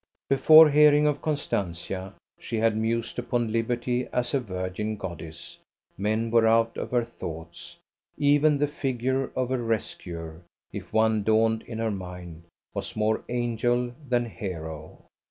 Before hearing of Constantia, she had mused upon liberty as a virgin Goddess men were out of her thoughts; even the figure of a rescuer, if one dawned in her mind, was more angel than hero.